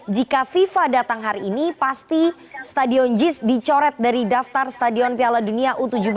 jika fifa datang hari ini pasti stadion jis dicoret dari daftar stadion piala dunia u tujuh belas